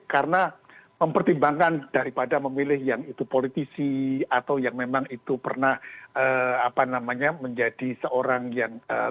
karena mempertimbangkan daripada memilih yang itu politisi atau yang memang itu pernah menjadi seorang yang